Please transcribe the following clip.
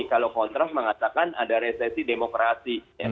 kalau kontras mengatakan ada resesi demokrasi